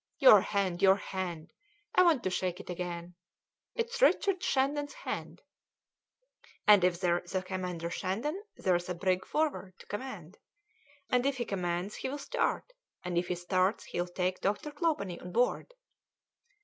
Your hand, your hand! I want to shake it again. It is Richard Shandon's hand, and if there is a commander Shandon, there's a brig Forward to command; and if he commands he will start, and if he starts he'll take Dr. Clawbonny on board."